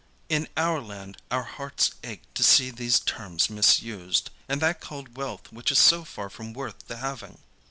In our land our hearts ache to see these terms misused, and that called wealth which is so far from worth the having.